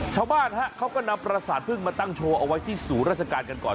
ชาวบ้านเขาก็นำประสาทพึ่งมาตั้งโชว์เอาไว้ที่ศูนย์ราชการกันก่อน